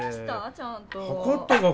ちゃんと。